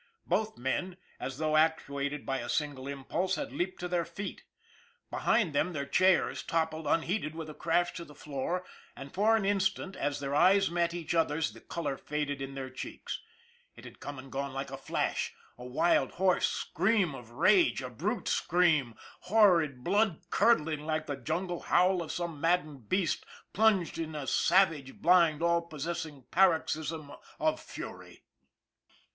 Both men, as though actu ated by a single impulse, had leaped to their feet. Be MARLEY 219 hind them their chairs toppled unheeded with a crash to the floor, and for an instant, as their eyes met each other's, the color faded in their cheeks. It had come and gone like a flash a wild, hoarse scream of rage, a brute scream, horrid, blood curdling, like the jungle howl of some maddened beast plunged in a savage, blind, all possessing paroxysm of fury.